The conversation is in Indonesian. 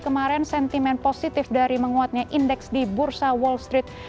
kemarin sentimen positif dari menguatnya indeks di bursa wall street